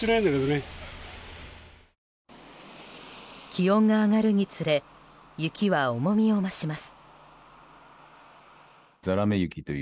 気温が上がるにつれ雪は重みを増します。